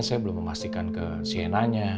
saya belum memastikan ke cna nya